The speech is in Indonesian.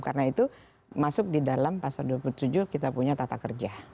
karena itu masuk di dalam pasar dua puluh tujuh kita punya tata kerja